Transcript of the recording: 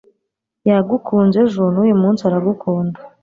Yagukunze ejo nuyumunsi aragukunda